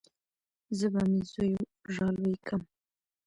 زه به مې زوى رالوى کم.